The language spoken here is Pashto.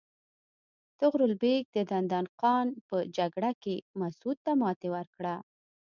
طغرل بیګ د دندان قان په جګړه کې مسعود ته ماتې ورکړه.